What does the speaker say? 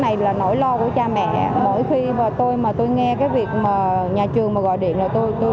này là nỗi lo của cha mẹ mỗi khi mà tôi mà tôi nghe cái việc mà nhà trường mà gọi điện cho tôi